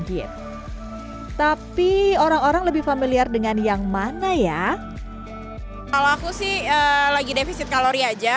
diet tapi orang orang lebih familiar dengan yang mana ya kalau aku sih lagi defisit kalori aja